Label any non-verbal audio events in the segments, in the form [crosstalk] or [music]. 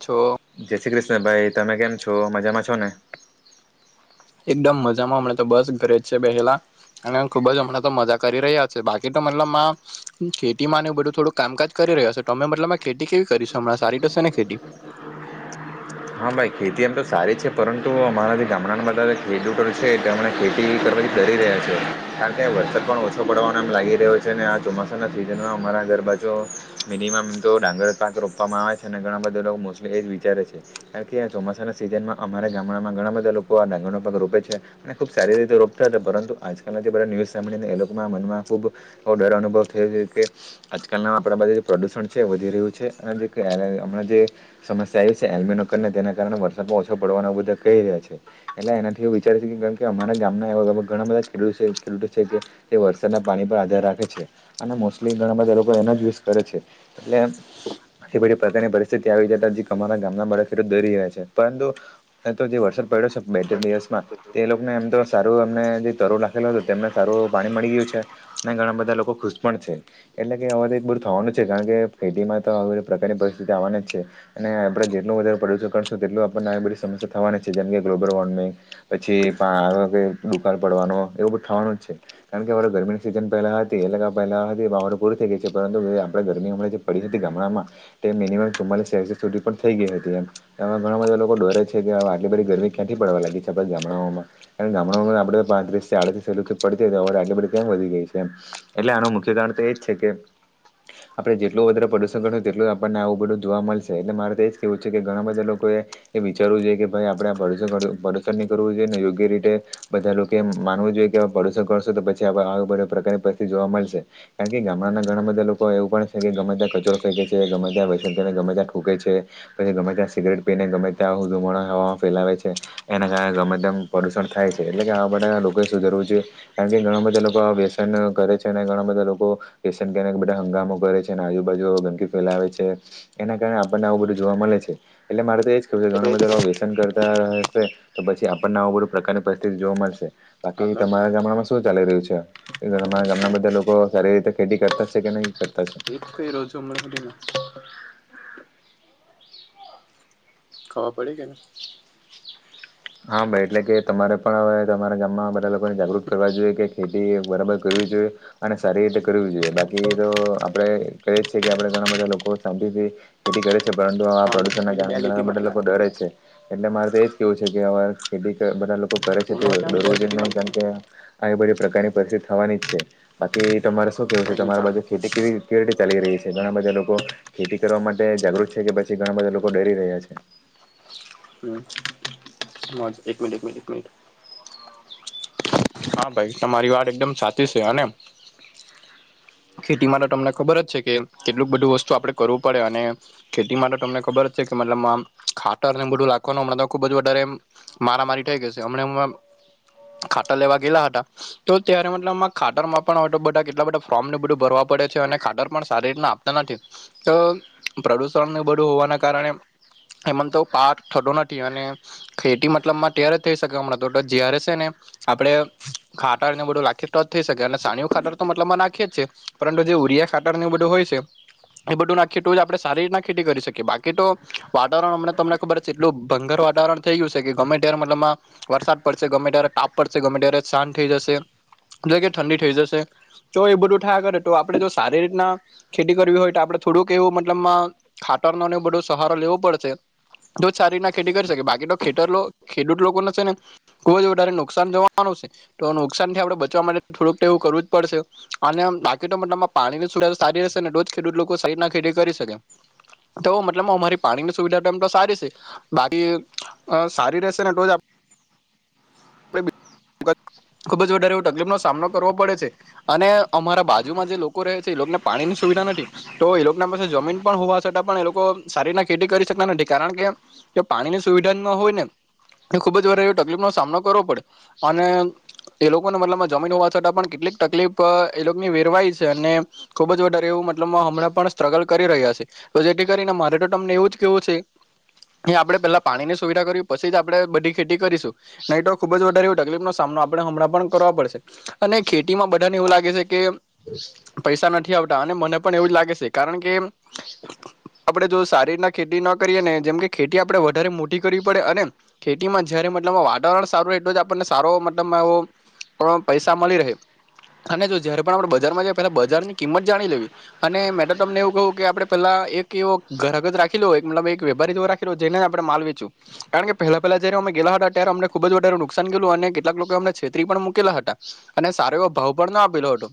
છો. જય શ્રી ક્રિષ્ણ ભાઈ તમે કેમ છો? મજામાં છો ને? એકદમ મજામાં હમણાં તો બસ ઘરે જ છે, બેહેલા અને ખુબ જ હમણાં તો મજા કરી રહ્યા છે, બાકી તો મતલબ માં ખેતી માં બધું થોડુંક કામકાજ કરી રહ્યા છો તમે મતલબ ખેતી કેવી કરીશું હમણાં સારી તોશે ને ખેતી? હા ભાઈ ખેતી એમ તો સારી છે, પરંતુ અમારા જે ગામડાના બધા જે ખેડૂતો છે, તેમણે ખેતી કરવા કરી રહ્યા છે, કારણ કે વરસાદ પણ ઓછો પડવાનો એમ લાગી રહ્યો છે, અને આ ચોમાસાના સિઝનમાં અમારા ઘરબા જો મીનીમમ તો ડાંગર પાક રોપવામાં આવે છે, અને ઘણા બધા મોસલી એ જ વિચારે છે. કારણ કે ચોમાસાના સીઝનમાં અમારા ગામડામાં ઘણા બધા લોકો આ ડાંગર નો પાક રોપે છે અને ખુબ સારી રીતે રોપતા પરંતુ આજકાલના જે બધા ન્યૂઝ સાંભળીને એ લોકોના મનમાં ખૂબ ડર અનુભવ થયો કે આજકાલ આપણા પાસે જે પ્રદુષણ છે વધી રહ્યું છે અને જે [unintelligible] હમણાં જે સમસ્યા આવ છે એલમીનો ને તેના કારણે વરસાદ ઓછો પડવાના બધા કહી રહ્યા છે, એટલે એનાથી વિચારી છે, કે અમારા ગામના એવા ઘણા બધા ખેડૂતો છે, કે તે વરસાદના પાણી પર આધાર રાખે છે, અને મોસ્ટલી ઘણા બધા લોકો એનોજ યુઝ કરે છે, એટલે એ બધી પ્રકારની પરિસ્થિતિ આવી જ જે અમારા ગામના બાળક કરી રહ્યા છે, પરંતુ તો જે વરસાદ પડ્યો છે, બે ત્રણ દિવસમાં એ લોકો ને એમ તો સારું એમ ને જે તરું લખેલો તેમને સારું પાણી મળી ગયું છે, અને ઘણા બધા લોકો ખુશ પણ છે એટલે કે આમ તો એ બધું થવાનું છે, કારણ કે ખેતી માં તો આ પ્રકારની પરિસ્થિતિ આવવાના જ છે, અને આપણે જેટલું વધારે પ્રદુષણ કરશું તેટલું આપણને બધી સમસ્યા થવાની છે જેમ કે ગ્લોબલ વોર્મિંગ પછી પછી [unintelligible] પાડવાનો એવું તો બધું થવાનું જ છે, કારણ કે ગરમીની સીઝન પહેલા હતી એટલે પહેલા હતી વાવનું પૂરી થઈ ગઈ છે. પરંતુ જે આપણે ગરમી હમણાં જે પડી હતી ગામડામાં મીનિમમ ચુમ્માલીસ સેસસીયસ સુધી પણ થઈ ગઈ હતી એમ એમાં ઘણા બધા લોકો ડરે છે, કે આટલી બધી ગરમી ક્યાંથી પડવા લાગી છે, ગામડાઓમાં કારણ ગામડાઓમાં આપડે પાંત્રીસથી આડત્રીસથી પડતીવર આટલી બધી કેમ વધી ગઈ છે, એમ એટલે આનું મુખ્ય કારણ તો એજ છે કે આપણેે જેટલો વધારે પ્રદુષણ કરશું તેટલું આપણને આવવું બધું જોવા મળશે એટલે મારે તો એજ કેવું છે કે ઘણા બધા લોકો એ એ વિચારવું જોઇએ કે ભાઈ આપડે આ પ્રદૂષણ નહીં કરવું જોઈએ અને યોગ્ય રીતે બધા લોકો એ માનવું જોઈએ કે ભરોસો કરશો તો પછી પ્રકારની પરિસ્થિતિ જોવા મળશે કારણ કે ગામડા ઘણા બધા લોકો એવું પણ છે કે ગમે ત્યા કચરો ફેંકે છે. ગમે ત્યાં વૈસન કરે છે, ગમે ત્યાં થૂંકે છે. પછી ગમે ત્યાં સિગરેટ પીને ગમે ત્યાં ધુમડો હવામાં ફેલાવે છે એના કારણે ગમે તેમ પ્રદુષણ થાય છે. એટલે કે ધણા બધા લોકો સુધરવું જોઈએ કારણ કે ઘણા બધા લોકો આ વ્યસન કરે છે અને ઘણા બધા લોકો પેશન્ટ કે બધા હંગામો કરે છે અને આજુબાજુ ગંદકી ફેલાવે છે એના કારણે આપણને આવું બધું જોવા મળે છે એટલે મારે તો એજ કેવું છે ઘણા બધા વ્યસન કર તા રહેશે તો પછી આપણને આવું બધુ પ્રકારની પરિસ્થિતિ જોવા મળશે બાકી હાલો તમારા ગામડામાં શું ચાલી રહ્યું છે અમારા ગામના બધા લોકો સારી રીતે ખેતી કરતા છે કે નહી કરતા છે. એ જ કઈ રો છો ઉમર ના ખબર પડી કે નઈ? હા ભાઈ એટલે કે તમારે પણ હવે તમારા ગામમાં બધા લોકોને જાગૃત કરવા જોઈએ કે ખેતી બરાબર કર જોઈએ અને સારી રીતે કરવી જોઈએ બાકી તો આપણે કહીીએજ છે કે આપણે ઘણા બધા લોકો શાંતિ ખેતી કરે છે પરંતુ આ કે પ્રદૂષણ ના પેલી બે કારણે લીટી ધણા બધા મારતા લોકો ડરે છે. એટલે મારે તો એજ કેવું છે કે આવા ખેતી બધા લોકો કરે છે તે બે દરવું જોઈએ લીટી નહી કારણ મારતા કે આ બધી પ્રકારની પરિસ્થિતિ થવાની જ છે બાકી તમારે શું કેવું છે? કઈ નઈ તમારી બાજુ ચાલે ખેતી કેવી કેવી રીતે ચાલી રહી છે ઘણા બધા લોકો ખેતી કરવા માટે જાગૃત છે કે પછી ઘણા બધા લોકો ડરી રહ્યા છે? હમ એક મિનિટ એક મિન એક મિનિટ. હા ભાઈ તમારી વાત એકદમ સાચી છે હેને. ખેતી માટે તમને ખબર જ છે કે કેટલુંક બધું વસ્તુ આપડે કરવું પડે અને ખેતી માટે તમને ખબર જ છે કે મતલબમા ખાતર ને નાખવાનું ખુબજ વધારે. મારા મારી થઈ ગશે હમને હમળા લેવા ગેયેલા હતા તો તયારે મતલબમા ખાતરમાં પણ‌ હવે કેટલા બધા ફોર્મ બધું ભરવા પડે અને ખા ખાતર પણ સારી રીતના આપતા નથી તો પ્રદુષણ બધું હોવાના કારણે એમ તો પાક થતો નથી અને ખેતી મતલબમાં ત્યારે થઈ શકે હમણા જ્યારે છે ને આપણે. ખાતર ને બધું નાખીયે તો જ થઈ શકે અને છાણીયું ખાતર તો મતલબમાં નાખીે એજ છે પરંતુ જે ઉરિયા ખાતર ને એવુ બધું હોય. છે. એ બધું નાખે તૌજ આપણે સારી રીતના ખેતી કરી શકીએ બાકી તો વાતાવરણ અમને તમને ખબર એટલું ભંગર વાતાવરણ થઈ ગયું છે કે ગમે ત્યારે મતલબમાં વરસાદ પડશે ગમે ત્યારે તાપ પડશે ગમે ત્યારે શાંત થઈ જશે. જો કે ઠંડી થઈ જશે તો એ બધું થા કરે તો આપણે જો સારી રીતના ખેતી કરવી હોય તો આપડે થોડુંક એવું મતલબમાં ખાતરનોને એવો બધો સહારો લેવો પડશે. તો જ સારી રીતના ખેતી કરી શકે બાકી તો ખેતર લો ખેડૂત લોકો છે ને કોય જ વધારે નુકસાન જોવાનું છે તો નુકસાન થી આપડે બચવા માટે થોડુંક તો એવું કરવું જ પડશે અને બાકી તો મતલબમાં પાણીની સુવિધા જો સારી હશે ને તોજ ખેડૂત લોકો સારી રીતના ખેતી કરી શકે. તો મતલબ મા મારી પાણીની સુવિધા તો એમ તો સારી છે બાકી સારી રેશે ને તો જ આપ [unintelligible] ખુબ જ વધારે એવ તકલીફ નો સામનો કરવો પડે છે અને અમારા બાજુમાં જે લોકો રહે છે. ને પાણીની સુવિધા નથી તો એ લોકો ના પાસે જમીન પણ હોવા છતાં પણ એ લોકો સારી રીતના ખેતી કરી શકતા નથી. કારણ કે પાણી ની સુવિધા ના હોય ને એ ખુબ જ વાર એ તકલીફ નો સામનો કરવો પડે અને એ લોકો ના મતલબમાં જમીન હોવા છતાં પણ કેટલીક તકલીફ એ લોકોની વેરવાય છે અને ખુબ જ વધારે એવું મતલબમા હમણા પણ સ્ટ્રગલ કરી રહ્યા છે. તો જેથી કરીને મારે તો તમને એવું જ કેવું છે એ આપડે પેલા પાણી ની સુવિધા કર પછી જ આપણેે બધી ખેતી કરીશું નહી તો ખુબ જ વધારે એવો તકલીફનોો સામનો આપડણે હમણાં પણ કરવા પડશે અને ખેતીમાં બધાને એવું લાગે છે કે પૈસા નથી આવતા અને મને પણ એવું જ લાગે છે કારણ કે આપડણે જો સારી રીતના ખેતી ના કરીએ ને જેમકે ખેતી આપડે વધારે મોટી કરવી પડે અને ખેતીમાં જયારે મતલબ વાતાવરણ સારું એટલો જ આપણને સારો મતલબ પૈસા મલી રહે અને જો જયારે પણ આપણેે બજારમાં જાય પેલા બજાર ની કિંમત જાણી લેવી અને મે તો તમને એવું કહું કે આપણે પેલા એક એવો ઘરગજ રાખી લો એક મતબ એક વેપારી રાખી લો જેને આપણે માલ વેચું કારણ કે પહેલા પહેલા જે અમે ગેલા હતા ત્યારે અમને. ખુબ જ વધારે નુકસાન ગયલું અને કેટલાક લોકો એમને છેતરી પણ મૂકેલા હતા અને સારો એવો ભાવ પણ ના આપેલો હતો.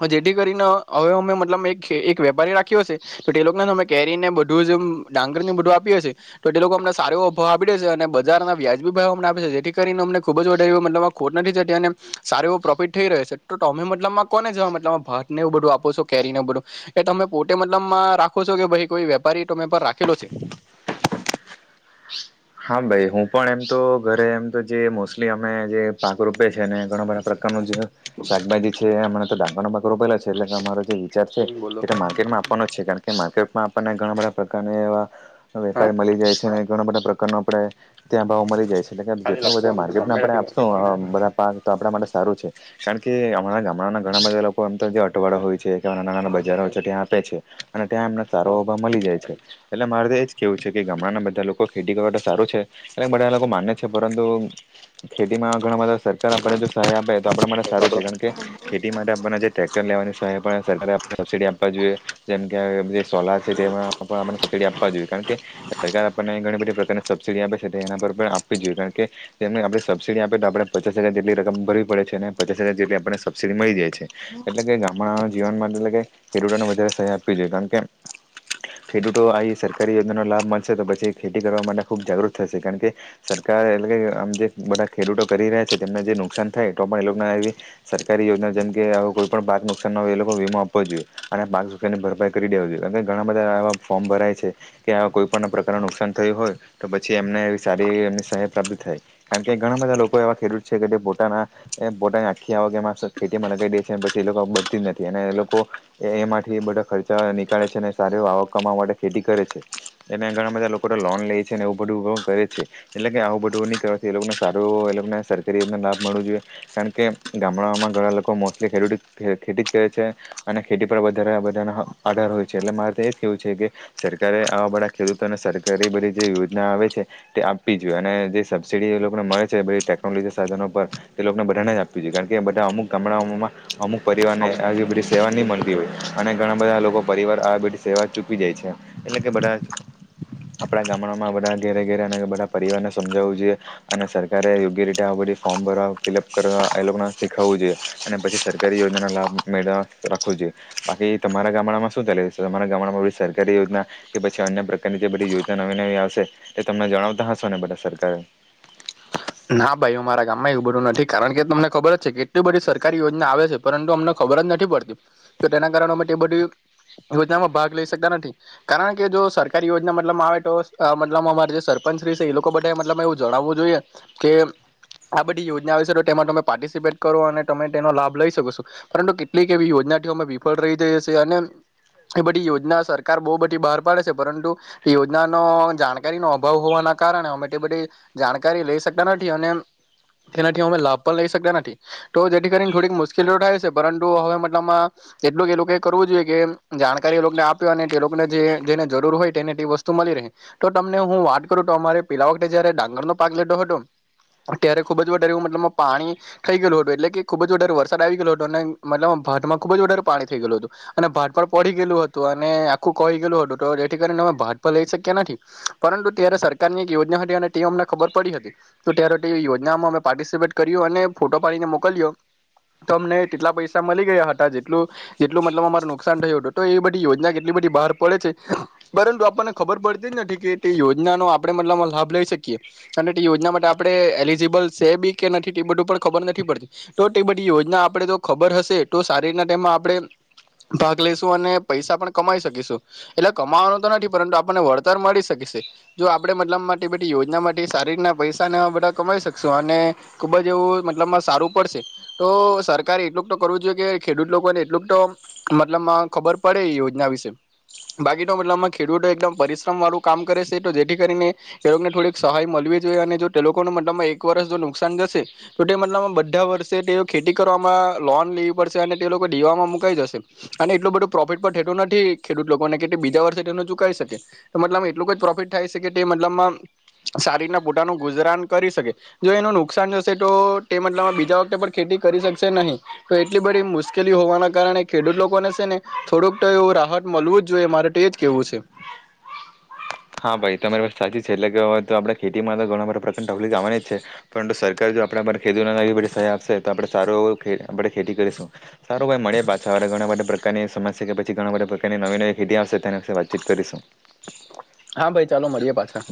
હ જેથી કરીને હવે અમે મતલબ મેં એક વેપારી રાખ્યો હશે તો તે લોકોને અમે કેરીને બધું જ ડાંગર બધું આપી હશે તો તે લોકો અમને સારો અભાવ આપી દેશે અને બજાર ના વ્યાજબી ભાવ આપે જેથી કરીને અમને ખુબજ વધારીયુ ખોટ નથી જતી અને સારું એવો પ્રોફિટ રહ્યો છે તો તમે મતલબ મા કો કોને જવા મતલબ ભાત ને એ બધું આપો છો કેરી ને બધું એ તમે પોતે મતલબમાં રાખો છો કે ભાઈ કોઈ વેપારી તો મે પર રાખેલો છે. હા ભાઈ હું પણ એમ તો ઘરે એમ તો જે મોસ્ટલી અમે જે પાક રૂપે અને ઘણા બધા પ્રકાર ન જે શાકભાજી છે [unintelligible] [unintelligible] છે એટલે કે અમારો જે વિચાર છે બોલો એ માર્કેટમાં આપવાનો જ છે કારણ કે માર્કેટમાં આપણને ઘણા બધા પ્રકારના એવા વેપારી મળી જાય છે અને ઘણા બધા પ્રકારના આપડે ત્યાં ભાવો મળી જાય છે. એટલે કે જેટલું વધારે માર્કેટને આપડે આપશો બધા પાક તો આપડા માટે સારું છે કારણ કે અમારાં હમણા ઘણા બધા લોકો એમ તો અટવાડો હોય છે કે નાના નાના બજારો હોય છે ત્યાં આપે છે અને ત્યાં એમને સારો અભાવ મળે જાય છે એટલે મારે તો એ જ કેવું છે કે ગામડાના બધા લોકો ખેતી કરવા તો સારું છે એરે બધા એ લોકો માને છે પરંતુ ખેતીમાં ઘણા બધા સરકાર આપણને જો સહાય આપે તો આપણા માટે સારું છે કારણ કે ખેતી માટે આપણને જે ટ્રેક્ટર લે સરકારે આપ સબસિડી આપવા જોઈએ જેમ કે સોલાર છે તેમાં આપને સબસિડી આપવા જોઈએ કારણ કે સરકાર આપને ઘણી બધી પ્રકાર સબસડી આપે છેના પર આપવી જોઈએ કારણ કે આપણે સબસિડી આપે તો આપણે પચાસ હજાર જેટલી રકમ પડે પચાસ હજાર જેતલુ સબસિડી મળી રહે છે એટલે કે ગામડા જીનવમાં એટલે કે આપવી જોઈએ કારણ કે ખેડૂતો આ ઈ સરકારી યોજના નો લાભ મળશે તો પછી કરવા માટે ખૂબ જાગૃત થશે કારણ કે સરકાર એટલે કે આમ જે બધા ખેડૂતો કરી રહ્યા છે તેમને જે નુકસાન નુકસાન થાય તોને આવી સરકારી યોજના જેમકે કોઈ પણ પાક નુકસાન ના હોય એ લોકો વીમો આપવો જોઈએ. અને પાચ રૂપિયા ભરપાઈ કરી દેવી જોઈએ ઘણા બધા એવા ફોર્મ ભરાય છે કેવા કોઈ પણ પ્રકારનું નુકસાન થયું હોય તો પછી એમને એવી સારી એ સહાય પ્રાપ્ત થાય કારણ કે ઘણા બધા લોકો એવા ખેડૂત છે કે પોતાના પોતાની આખી આવક એમાં ખેતીમાં લગીઈ દે છે પછી એ લોકો બતી જ નથી અને એ લોકો એ એમાંથી બધા ખર્ચા નીકળે છે અને સાર આવક કમાવા માટે ખેતી કરે છે એના ઘણા બધા લોકો લોન લે છે અને એવું બધું કરે છે એટલે કે આવું બધું ની કરવાથી એ લોકોને સારું એ લોકોને સરકારી લાભ મળવો જોઈએ કારણ કે ગામડામાં ઘણા લોકો મોસ્ટલી ખેતી કરે છે. એક પણ વધારેના હ આગળ હોય છે એટલે તો મારે એ જ કેવું છે કે સરકારે આવા બધા ખેડૂતોને સર કારી બધી જે યોજના આવે છે તે આપવી જોઈએ અને જે સબસીડી એ લોકોને મળે છે બધી ટેકનોલોજી સાધનો પર તે લોકોને બધાને જ આપવી જોઈએ કારણ કે બધા અમુક ગામડાઓમાં અમુક પરિવારને આવી બધી સેવા નહીં મળતી અને ઘણા બધા લોકો પરિવાર આ બધી સેવા ચૂકી જાય છે એટલે કે બધા [inaudible] આપડા ગામડામાં બધા ઘેરે ઘેરે અને બધા પરિવારને સમજાવવું જોઈએ અને સરકારે યોગ્ય રીતે આ બધી ફોર્મ ભરવા ફિલઅપ કરવા એ લોકોને શીખાવવું જોઈએ અને પછી સરકારી યોજનાનો લાભ મેળવવા રાખવો જોઈએ. બાકી તમારા ગામડામાં શું ચાલે તમારા ગામડામાં બધી સરકારી યોજના કે પછી અન્ય પ્રકારની જે બધી યોજના નવી નવી આવશે એ તમને જણાવતા હશો ને બધા સરકારે. આમાં એવું બધું નથી કારણ કે તમને ખબર જ છે કેટલી બધી સરકારી યોજના આવે છે પરંતુ અમને ખબર જ નથી પડતી તો તેના કારણે અમે તે બધી યોજનામાં ભાગ લઈ શકતા નથી કારણ કે જો સરકારી યોજના મતલબમાં આવે તો અ મતલબમાં અમારે જે સર પંચ શ્રી છે એ લોકો બાધા એ મતલબ એવું જણાવવું જોઈએ કે આ બધી યોજનાઓ છે તો તેમાં તમે પાર્ટિસિપેટ કરો અને તમે તેનો લાભ લઈ શકો છો પરંતુ કેટલીક એવી યોજ નાથી ઓમાં વિફળ રહી જઈ હશે છે અને એ બધી યોજના સરકાર બહુ બધી બહાર પાડે છે પરંતુ એ યોજનાનો જાણકારી નો અભાવ હોવાના કારણે અમે તે બધી જાણકારી લઈ શકતા નથી અને તેનાથી અમે લાભ પણ લઈ શકતા નથી તો જેથી કરીને થોડીક મુશ્કેલીઓ થાય છે પરંતુ હવે મતલબમાં એટલું કે એ લોકોએ કરવું જોઈએ કે જાણકારી એ લોકોને આપ્યો અને તે લોકોને જે-જેને જરૂર હોય તેને તે વસ્તુમાં મળી રહે તો તમને હું વાત કરું તો અમારે પેલા વખતે જયારે ડાંગર નો પાક લીધો હતો ત્યારે ખુબ જ વધારે એવુ મતલબ પાણી થઈ ગયું હતું એટલે કે ખુબ જ વધારે વરસાદ આવી ગયેલો હતો ને મતલબ ખુબ જ વધારે પાણી થઈ ગયલું હતું અને ભાટ પર પડી ગયલું હતું અને આખું કોઈ ગયલું હતું જેથી કરીને ભાત પર લઈ શક્યા નથી પરંતુ ત્યારે સરકારની એક યોજના હતી અને તે અમને ખબર પડી હતી. તો ત્યારે તોવી યોજનામાં અમે પાર્ટિસિપેટ કર્યું અને ફોટો પાડીને મોકલ્યો તો અમને એટલા પૈસા મળી ગયા હતા જેટલું જેટલું મતલબ અમારુ - નુકસાન થયું હતું તો એ બધી યોજના કેટલી બધી બહાર પડે છે પરંતુ આપણને ખબર પડતી જ નથી કે તે યોજનાનો આપણે મતલમાં લાભ લઈ શકીએ અને તે યોજના માટે આપ આપડે એલિજીબલ સે બી કે નથી તે બધું પણ ખબર નથી પડતી તો તે બધી યોજના આપડે તો ખબર હશે તો સારી રીના તેમાં આપડે ભાગ લઈશું અને પૈસા પણ કમાઈ શકીશું એટલે કમાવાનો તો નથી પરંતુ આપણને વળતર મળી શકીશું છે જો આપણે મતલબ માટે તે બધી યોજના માટે સારી રીતના પૈસા- બધા કમાઈ શકશો અને ખૂબ જ એવું મતલબમાં સારું પડશે તો સરકારે એટલું કરવું જો કે ખેડૂત લોકોને એટલું તો મતલબ ખબર પડે યોજના વિશે બાકી તો મતલબ ખેડૂતો એકદમ પરિશ્રમ વાળું કામ કરે છે તો જેથી કરીને ખેડૂને થોડીક સહાય મળવી જોઈએ અને જો- તે લોકોના મતલબમાં એક વર્ષ જો નુકસાન જશે તો તે મતલબમાં બધા વર્ષે તે ખેતી કરવામાં લોન- લેવી પડસે તે લોકો દીવામાં મુકાઈ જશે અને એટલું બધું પ્રોફિટ પણ થતું નથી ખેડૂત લોકોને કે બીજા વર્ષ - ચુકે મતલ એટલું જ પ્રોફિટ થાય છે કે મતલબમાં સારી રીતના પોતાનું ગુજરાન કરી શકે જો એનું નુકસાન જશે તો તે મતલબમાં બીજા વખતે પણ ખેતી કરી શકશે નહી. તો એટલી બધી મુશ્કેલી હોવાના કારણે ખેડૂત લોકોને છે ને થોડુંક તો એવું રાહત મળવું જ જોઈએ મારકે- તેજ કેવું છે. હા ભાઈ તો તમારી વાત સાચી છે એટલે કે હવે તો આપણા ખેતીમાં તો ઘણા બધા પ્રકાર વલી ગવાની જ છે પરંતુ સરકાર. જો આપણે ખેડૂતો ને એવી બઘી સહાય આપશે તો આપણે સારો આપણે ખેતી કરીશું. ઈ મળે પાછા હવે ઘણા બધા પ્રકારની સમસ્યા કે પછી ઘણા બધાકારની નવી નવી ખીતી આવશે તેના વિ વાતચીત કરીશું. હા ભાઈ ચાલો મળીએે પાછા.